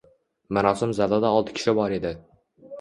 Marosim zalida olti kishi bor edi